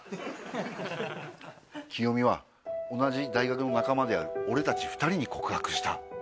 キヨミは同じ大学の仲間である俺たち２人に告白した。